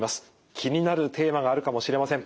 気になるテーマがあるかもしれません。